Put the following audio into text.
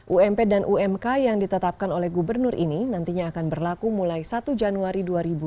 ump dan umk yang ditetapkan oleh gubernur ini nantinya akan berlaku mulai satu januari dua ribu dua puluh